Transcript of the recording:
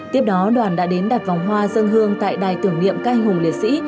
tiếp đó đoàn đã đến đặt vòng hoa dân hương tại đài tưởng niệm các anh hùng liệt sĩ